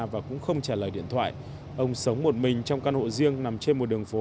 và cũng không trả lời điện thoại ông sống một mình trong căn hộ riêng nằm trên một đường phố